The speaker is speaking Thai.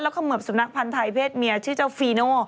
เขมือบสุนัขพันธ์ไทยเพศเมียชื่อเจ้าฟีโน่